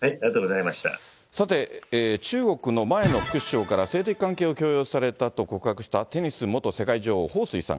さて、中国の前の副首相から性的関係を強要されたと告白したテニス元世界女王、彭帥さん。